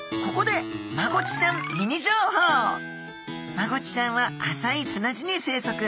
マゴチちゃんは浅い砂地に生息。